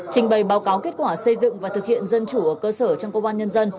trình bày báo cáo kết quả xây dựng và thực hiện dân chủ ở cơ sở trong công an nhân dân